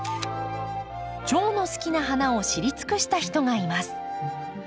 チョウの好きな花を知り尽くした人がいます。